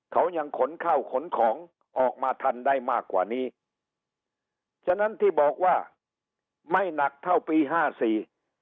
เขายังขนเข้าขนของออกมาทันได้มากกว่านี้ฉะนั้นที่บอกว่าไม่หนักเท่าปีห้าสี่